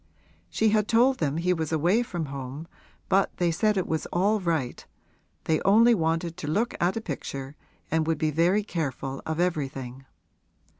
She had told them he was away from home but they said it was all right; they only wanted to look at a picture and would be very careful of everything.